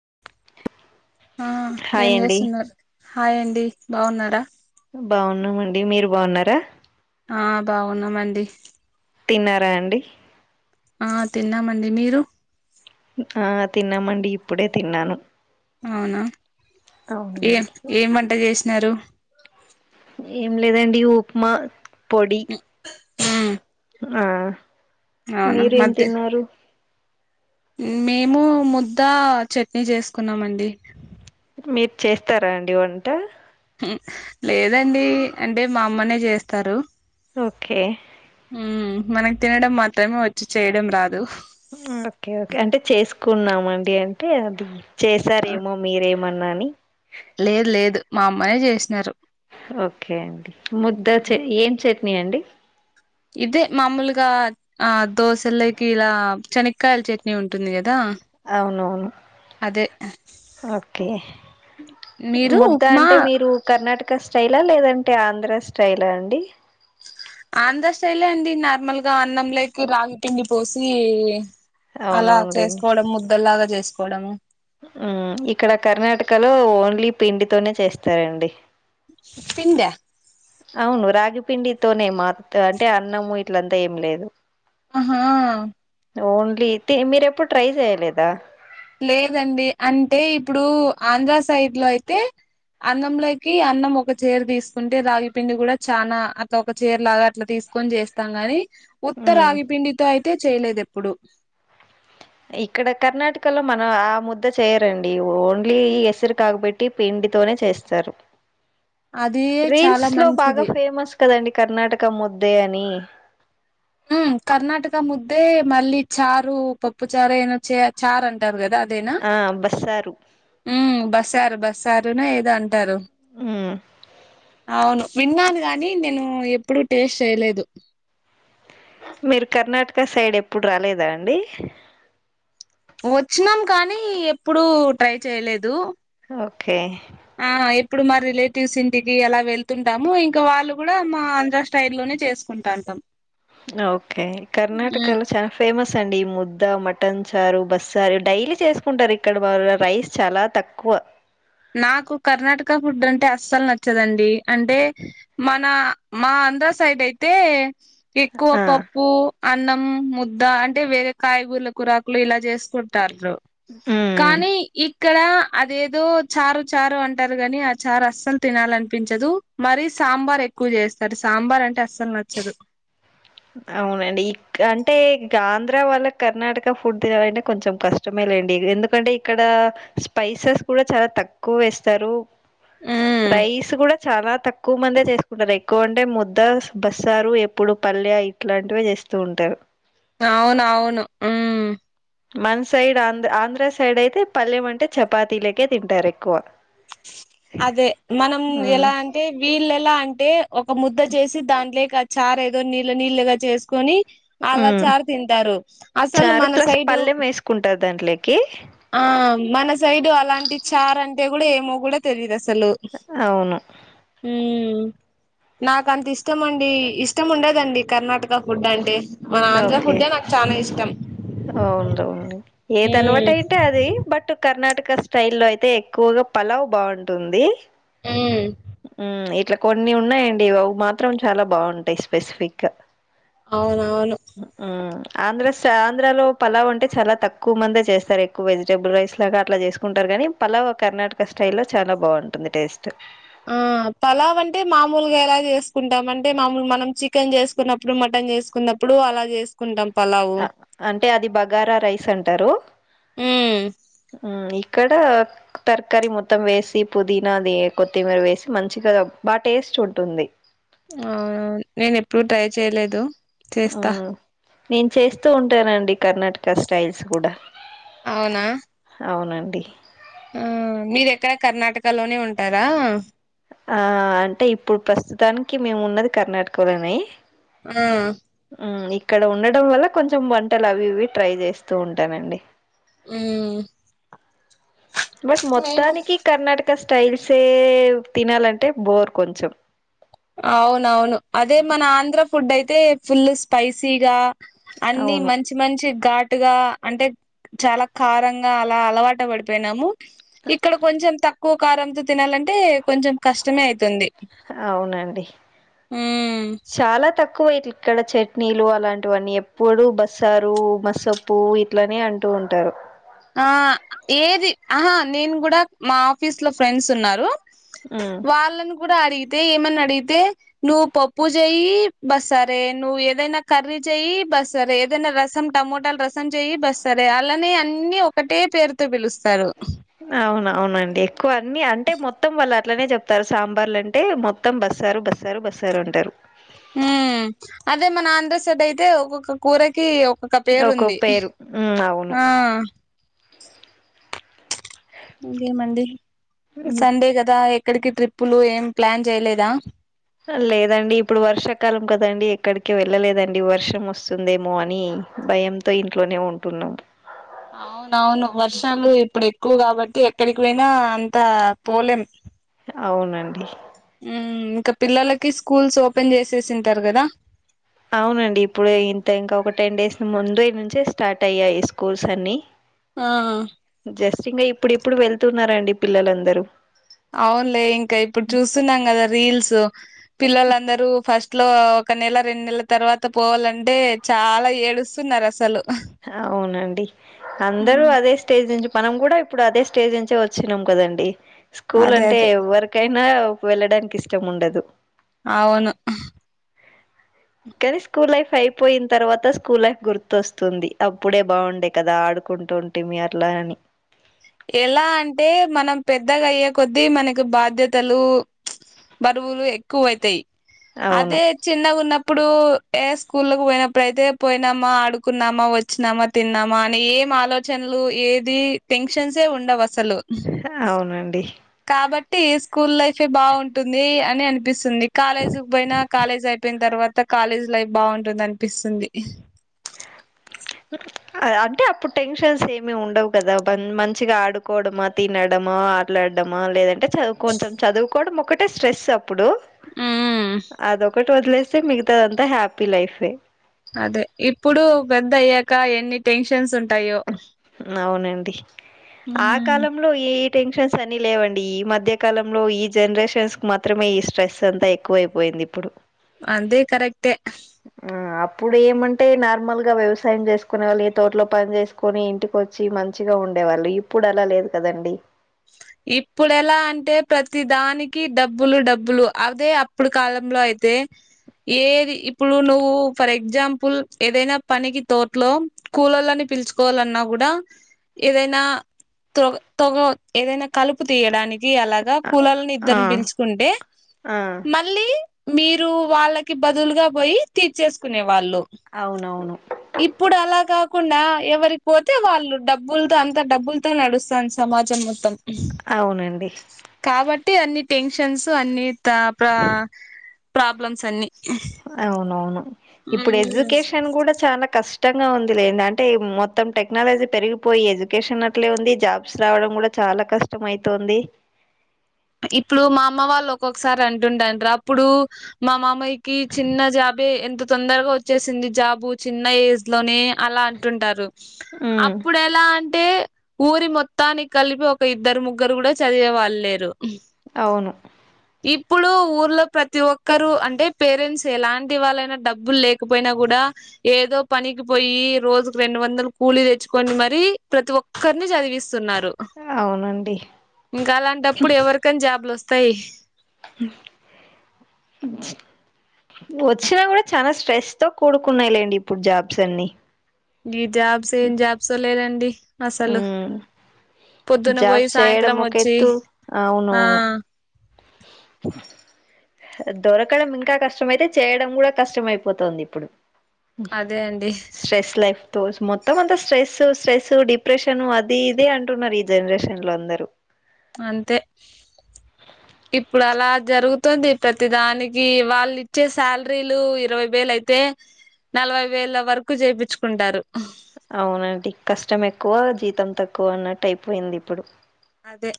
హ ఆ ఏం చేస్తున్నారు హాయ్ అండి బాగున్నారా బాగున్నామండి మీరు బాగున్నారా ఆ బాగున్నామండి తిన్నారా అండి ఆ తిన్నామండి మీరు ఆ తిన్నామండి ఇప్పుడే తిన్నాను అవునా అవునండి ఏం ఏంవంట చేసినారు ఏం లేదండి ఉప్మా పొడి మ్మ్ ఆ అవునా మీరేం మధ్య తిన్నారు మేము ముద్ద చట్నీ చేసుకున్నామ అండి మీరు చేస్తారా అండి వంట లేదండి అంటే మా అమ్మనే చేస్తారు ఓకే హ్మ్ మనకి తినడం మాత్రమే వచ్చి చేయడం రాదు ఓకే ఓకే అంటే చేసుకున్నామ అండి అంటే అది ఆ, చేసారేమో మీరే మన్నాని లేదు లేదు మా అమ్మనే చేసినారు ఓకే అండి ముద్ద ఉమ్, ఏం చట్నీ అండి ఇదే మామూలుగా ఆ దోశల్లోకి ఇలా శనక్కాయల చట్నీ ఉంటుంది కదా అవునవును అదే ఓకే మీరు ముద్ద ఉప్మా అంటే మీరు కర్ణాటక ఇక స్టైలా లేదంటే ఆంధ్ర స్టైలా అండి ఆంధ్ర స్టైలే అండి నార్మల్ గా అన్నం లైకి రాగి పిండి పోసి అలా అవునవునులేండి చేసుకోవడం ముద్దలాగా చేసుకోవడమ్ ఇక్కడ కర్ణాటకలో ఓన్లీ పిండితోనే చేస్తారండి పింద అవును రాగిపిండితోనే మా అంటే అన్నము ఇట్లంతా ఏం లేదు ఆహా ఓన్లీ మీరు ఎప్పుడు ట్రై చేయలేదా లేదండి అంటే ఇప్పుడు ఆంధ్ర సైడ్ లో అయితే అన్నంలోకి అన్నం ఒక చీర తీసుకుంటే రాగి పిండి కూడా చానా అట్లా ఒక చీరలాగా అట్లా తీసు కోనీ చేస్తాం గాని ఉత్తరా మ్ ఆగిపిండితో అయితే చేయలేదు ఎప్పుడు ఇక్కడ కర్ణాటకలో మనం ఆ ముద్ద చేయరండి ఓన్లీ ఎసరు కాకబెట్టి పెం వడితోనే చేస్తారు అది చాలా రీల్స్ లో బాగా మంచిది ఫేమస్ కదండి కర్ణాటక ముద్దే అని ఉమ్ కర్ణాటక ముద్దే మళ్ళీ చారు పప్పు చారు ఏదో చారు అంటారు కదా అదేనా ఆ బస్సారు బస్సారు బస్సారునే ఏదో అంటారు హ్మ్ అవును విన్నాను గాని నేను ఎప్పుడు టేస్ట్ చేయలేదు మీరు కర్ణాటక సైడ్ ఎప్పుడు రాలేదా అండి వచ్చినాం కానీ ఎప్పుడు ట్రై చేయలేదు ఓకే ఆ ఎప్పుడు మా రిలేటివ్స్ ఇంటికి అలా వెళ్తుంటాము ఇంకా వాళ్ళు కూడా మా ఆంధ్ర స్టైడ్ లోనే చేసుకుంట టాంతం ఓకే కర్ణాటకలో చాలా ఫేమస్ సాఅండి ముద్ద మటన్ చారు బసరు డైలీ చేసుకుంటారు ఇక్కడ వాళ్ళ రైస్ చాలా తక్కువ వ నాకు కర్ణాటక ఫుడ్ అంటే అస్సలు నచ్చదండి అంటే మన మా అంధ్ర సైడ్ అయితే ఎక్కువ ఆ పప్పు అన్నం హ్మ్ ముద్ద అంటే వేరే కాయగూరల కురకులు ఇలా చేసుకుంటారు ఉమ్ కానీ ఇక్కడ అదేదో చారు చారు అంటారు గాని ఆ చారు అస్సలు తినాలనిపించదు మరి సాంబార్ ఎక్కువ చేస్తారు సాంబార్ అంటే అస్సలు నచ్చదు అవునండి ఇక అంటే ఇక ఆంధ్ర వాళ్ళ కర్ణాటక ఫుడ్ తినాలంటే కొంచెం కష్టమే రండి ఎందుకంటే ఇక్కడ స్పైసెస్ కూడా చాలా తక్కువ వేస్తారు ఉమ్ రైస్ కూడా చానా తక్కువ ఎక్కువ మందే చేసుకుంటారు ఎక్కువ అంటే ముద్ద బస్సారు ఎప్పుడు పల్లె ఇట్లాంటివే చేస్తూ ఉంటారు అవును అవును ఉమ్ మన సైడ్ ఆంధ్ర ఆంధ్ర సైడ్ అయితే పల్లెం అంటే చపాతీలేకే తింటారు ఎక్కువ అదే మనం ఉమ్ ఎలా అంటే వీళ్ళు ఎలా అంటే ఒక్ ఒక ముద్ద చేసి దాంట్లేకి ఆ చారు ఏదో నీళ్ళు నీళ్ళగా చేసుకొని అలా ఉమ్ చారు తింటారు అసలు చారు మన ప్లస్ సైడు పల్లెం వేసుకుంటారు దాంట్లోకి ఆ మన సైడ్ అలాంటి చార్ అంటే కూడా ఏమో కూడా తెలీయదు అసలు అవును సలు ఉమ్ ఉమ్ నాకు అంత ఇష్టమండి ఇష్టం ఉండదండి కర్ణాటక ఫుడ్ అంటే మన ఆంధ్ర ఫుట్ ఏ నాకు చానా ఇష్టం అవుందవుంది ఏది అలవాటు ఉమ్ అయితే అది బట్ కర్ణాటక్ క్క స్టైల్ లో అయితే ఎక్కువగా పలావ్ బాగుంటుంది ఉమ్ ఉమ్ ఇట్లా కొన్ని ఉన్నాయండి అవి మాత్రం చాలా బాగుంటాయి స్పెసిఫిక్ గా అవునవును ఆంధ్ర స ఆంధ్రలో పలావ్ అంటే చాలా తక్కువ మందే చేస్తారు ఎక్కువ వెజిటబుల్ రైస్ లాగా అట్లా చేసుకుంటారు కానీ కానీ పలావ కర్ణాటక స్టయిల్లో చాలా బాగుంటుంది టేస్ట్ ఆ పలావ అంటే మామూలుగా ఎలా చేసుకుంటాం అంటే మామూలు మనం చికెన్ చేసుకున్నప్పుడు మటన్ చేసుకునా న్నప్పుడు అలా చేసుకుంటాం పలావు ఆ అంటే అది బగారా రైస్ అంటారు ఉమ్ ఉమ్ ఇక్కడ టర్క్కరి మొత్తం వేసి పుదీనా అది కొత్తిమీర వేసి మంచిగా బా టేస్ట్ చుంటుంది అవునా నేను ఎప్పుడు ట్రై చేయలేదు చేస్తా మ్ నేను చేస్తూ ఉంటానండి కర్ణాటక స్టైల్స్ కూడా అవునా అవునండి ఆ మీరేక్కడ కర్ణాటక లోనే ఉంటారా ఆ అంటే ఇప్పుడు ప్రస్తుతానికి మేము ఉన్నది కర్ణాటకలోనే ఆ ఉమ్ ఇక్కడ ఉండడం వల్ల కొంచెం వంటలు అవి ఇవి ట్రై చేస్తూ ఉంటానండి ఉమ్ బట్ మొత్తానికి కర్ణాటక స్టైల్సే తినాలంటే బోర్ కొంచెం అవునవును అదే మన ఆంధ్ర ఫుడ్ అయితే ఫుల్ స్పైసీగా అన్ని అవును మంచి మంచి ఘాటుగా అంటే చాలా కారంగా అలా అలవాట పడిపోయినాము ఇక్కడ కొంచెం తక్కువ కారంతో తినాలంటే కొంచెం కష్టమే అవుతుంది అవునండి ఉమ్ చాలా తక్ క్కువ ఇ ఇక్కడ చట్నీలు అలాంటివన్నీ ఎప్పుడుూ బస్సారు మసప్పు ఇట్లనే అంటున్ ఉంటారు ఆ ఏది ఆహా నేను కూడా మా ఆఫీస్ లో ఫ్రెండ్స్ ఉన్నారు ఉమ్ వాళ్ళను కూడా అడిగి తే ఏమన్నా అడిగితే నువ్వు పప్పు చేయి బస్సారే నువ్ ఏదైనా కర్రీ చెయి బస్తారే ఏదైనా రసం టమోటాలు రసం చెయి బస్తారే అలానే అన్ని అన్ని ఒకటే పేరుతో పిలుస్తారు అవునవునండి ఎక్కువ అన్ని అంటే మొత్తం వాళ్ అట్లనే చెప్తారు సాంబార్లు అంటే మొత్తం బస్సారు బస్సారు బస్సారు అంటారు ఊ అదే మన ఆంధ్ర సెడ్ అయితే ఒక్కొక్క కూరకి ఒక్ ఒక పేరు ఒక్కో ఉంది పేరు ఉమ్ అవును ఆ ఇంకేం మండి ఉమ్, సండే కదా ఎక్కడికి ట్రిప్పులు ఏం ప్లాన్ చేయలేదా లేదండి ఇప్పుడు వర్షాకాలం కదండి ఎక్కడికి వెళ్ళలేదండి వర్షం వస్తుందేమో అని భయంతో ఇంట్లోనే ఉంటున్నాం అవునవును వర్షాలు ఇప్పుడు ఎక్కువ కాబట్టి ఎక్ పెలికిపోయినా అంత పోలేం అవునండి ఇంకా పిల్లలకి స్కూల్స్ ఓపెన్ చేసేసింటారు కదా అవునండి ఇప్పుడు ఇంత ఇంకా ఒక టెన్ డేస్ ముందే నుంచే స్టార్ట్ అయ్యాయి స్కూల్స్ అన్ని ఆ జస్ట్ ఇంకా ఇప్పుడు ఇప్పుడు వెళ్తున్నారండి పిల్లలందరూ అవునులే ఇంకా ఇప్పుడు చూస్తున్నాం కదా రీల్స్ పిల్లలందరూ ఫస్ట్ ట్లో ఒక నెల రెండు నెలల తర్వాత పోవాలంటే చాలా ఏడుస్తున్నారు అసలు అవునండి అందరూ అదే స్టేజ్ నుంచి మనం కూడా ఇప్పుడు అదే స్టేజ్ నుంచే వచ్చినాం కదండి స్కూల్ అదే అంటే అదే ఎవరికైనా వెళ్ళడానికి ఇష్టం ఉండదు అవును కానీ స్కూల్ లైఫ్ అయిపోయిన తర్వాత స్కూల్ లైఫ్ గుర్తస్ వస్తుంది అప్పుడే బాగుండే కదా ఆడుకుంటుంటిమి అట్లా అని ఎలా అంటే మనం పెద్దగా అయ్యే కొద్దీ మనకి బాధ్యతలు బరువులు ఎక్కువ ఐతాయి అవును అదే చిన్న గున్నప్ ఇప్పుడు ఏ స్కూలకు పోయినప్పుడయితే పోయినామా ఆడుకున్నామా వచ్చినామా తిన్నామా అని ఏం ఆలోచనలు ఏది టెన్షన్స్ ఏ ఉండవసలు సలు అవునండి కాబట్ ట్టి స్కూల్ లైఫ్ ఏ బాగుంటుంది అని అనిపిస్తుంది కాలేజ్ పోయినా కాలేజ్ అయిపోయిన తర్వాత కాలేజ్ లైఫ్ బాగుంటుందనిపిస్తుంది అ అంటే అప్పుడు టెన్షన్స్ ఏమి ఉండవు కదా బన్ మంచిగా ఆడుకోవడమా తినడం మా ఆట్లాడమా లేదంటే చ కొంచెం చదువుకోవడం ఒకటే స్ట్రెస్ అప్పుడు అదొకటి టు వదిలేస్తే మిగతా అంతా హ్యాపీ లైఫే కా ఎన్ని టెన్షన్స్ ఉం అవునండి ఆ కాలంలో ఏ టెన్షన్స్ అని లేవండి ఈ మధ్య కాలంలో ఈ జనరేషన్స్ కు మాత్రమే ఈ స్ట్రెస్ అంతా ఎక్కువ అయిపోయింది దిప్పుడు అందే కరెక్టే ఆ అప్పుడు ఏమంటే నార్మల్ గా వ్యవసాయం చేసుకునే వాళ్ళు ఏ తోటలో పని చేస్ కొని ఇంటికొచ్చి మంచిగా ఉండేవాళ్ళు ఇప్పుడు అలా లేదు కదండి ఇప్పుడు ఎలా అంటే ప్రతి దానికి డబ్బులు డబ్బులు అదే అప్పుడు కాలంలో అయితే ఏది ఇప్పుడు నువ్వు ఫర్ ఎగ్జాంపుల్ ఏదైనా పనికి తోట్లో కూలోలని పె పిలుచుకోవాలన్నా కూడా ఏదైనా త్రోగ తొగొ ఏదైనా కలుపు తీయడానికి జీ అలాగా కూలాలని ఆ ఇద్దరిని పిల్చుకుంటే ఆ మళ్ళీ మీరు వాళ్ళకి బదులుగా పోయి తీర్చేసుకునే వాళ్ళు అవునవును ఇప్పుడు అలాగా కాకుండా ఎవరికి పోతే వాళ్ళు డబ్బులతో అంత డబ్బులతో నడుస్తాను సమాజము అవునండి కాబట్టి అన్ని టెన్షన్స్ అన్ని ప్ర ప్రాబ్లమ్స్ అన్ని అవునవును ఇప్పుడు ఎజ్యుకేషన్ కూడా చాలా కష్ ష్టంగా ఉంది లేద అంటే మొత్తం టెక్నాలజీ పెరిగిపోయి ఎడ్యుకేషన్ అట్లే ఉంది జాబ్స్ రావడం కూడా చా చాలా కష్టం అయితోంది ఇప్పుడు మా అమ్మ వాళ్ళు ఒక్కొక్కసారి అంటుంటంట అప్పుడు మా మామయకి చిన్న జాబ్ అబే ఎంత తొందరగా వచ్చేసింది జాబు చిన్న ఏజ్ లోనే అలా అంటుంటారు ఉమ్ అప్పుడు ఎలా అంటే ఊరి మొత్తానికి కలిపి ఒక ఇద్దరు ముగ్గురు కూడా చదివే వాళ్ళు లేరు అవును ఇప్పుడు ఊర్లో ప్రతి ఒక్కరు అంటే పేరెంట్స్ ఎలాంటి వాళ్ళైనా డబ్బులు లేకపోయినా కూడా ఏదో పనికి పోయి రోజుకి రెండు వందలు కూలీ తెచ్చుకండి మరి ప్రతి ఒక్కరిని చదివిస్ స్తూన్నారు అవునండి ఇంకా అలాంటప్పుడు ఎవరికని జేబులు వస్తాయి వచ్చినా కూడా చాలా స్ట్రెస్ తో కూడుకున్నాలేండి ఇప్పుడు జాబ్స్ అన్ని ఈ జాబ్స్ ఏం జాబ్స్లేదండి అసలు ఉమ్ పొద్దున పోయి జాబ్స్ చేయడం సాయంత్రం ఒక వచ్చి ఎత్తు ఆ అ దొరకడం ఇంకా కష్టం అయితే చేయడం కూడా కష్టం అయిపోతుంది ఇప్పుడు అదే అండి స్ట్రెస్ లైఫ్ తోస్ మొత్తం అంత స్ట్రెస్ స్ట్రెస్ డిప్రెషన్ అది ఇదే అంటున్నారు ఈ జనరేషన్ లో అందరు అంతే అ ఇప్పుడు అలా జరుగుతుంది ప్రతిదానికి వాళ్ళు ఇచ్చే శాలరీలు ఇరవై వేలు అయితే నలభై వేల వరకు చేయిపిచుకుంటారు అవునండి కష్టం ఎక్కువ జీతం తక్కువ అన్నట్టు అయిపోయింది ఇప్పుడు అదే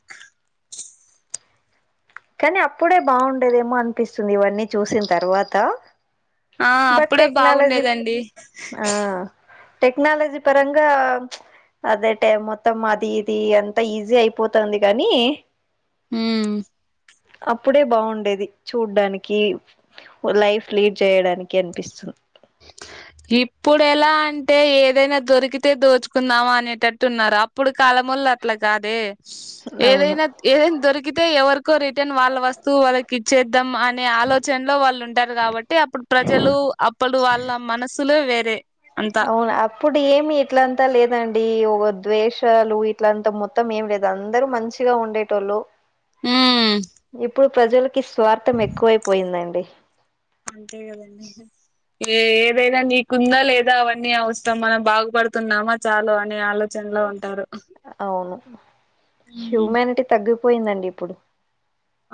కానీ అప్పుడే బాగుండేదేమో అనిపిస్తుంది ఇవన్నీ చూసిన తర్వాత ఆ బట్ అప్పుడే టెక్నాలజీ బాగుండేదండి ఆ టెక్నాలజీ పరంగా అదే టైం మొత్తం అది ఇది అంతా ఈజీ అయిపోతుంది గానీ హ్మ్ అప్పుడే బాగుండేది చూడ్డానికి లైఫ్ లీడ్ చేయడానికి అనిపిస్తు ఇప్పుడు ఎలా అంటే ఏదైనా దొరికితే దోచుకుందాం అనేటట్టు ఉన్నారు అప్పుడు కాలం ముల్లాట్లా గాదే అ ఏదైనా ఏదైనా దొరికితే ఎవరికో రిటర్న్ వాళ్ళ వస్తువు వాళ్ళకి ఇచ్చేద్దాం అనే ఆలోచనలో వాళ్ళు ఉంటారు కాబట్టి అప్పుడు ప్రజలు అప్పుడు వాళ్ళ మనసులు వేరే అంతా అవును అప్పుడు ఏమి ఇట్లంతా లేదండి ఒవ ద్వేషాలు ఇట్లంత మొత్తం ఏం లేదు అందరు మంచిగా ఉండేటోళ్ళు ఇప్పుడు ప్రజలకి స్వార్థం ఎక్కువైపోయిందండి అంతే కదండి ఏ ఏదైనా నీకుందా లేదా అవన్నీ అవసరం మనం బాగు పడుకున్నామా చాలు అనే ఆలోచన్లో ఉంటారు అవును హ్యూమానిటీ తగ్గిపోయిందండి ఇప్పుడు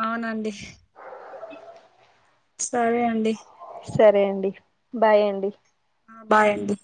అవునండి సరే అండి సరే అండి బాయ్ అండి ఆ బాయండి